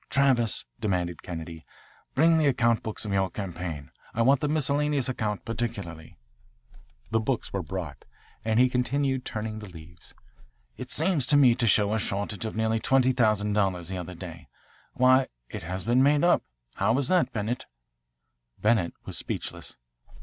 "Travis," demanded Kennedy, "bring the account books of your campaign. I want the miscellaneous account particularly." The books were brought, and he continued, turning the leaves, "It seemed to me to show a shortage of nearly twenty thousand dollars the other day. Why, it has been made up. How was that, Bennett?" Bennett was speechless.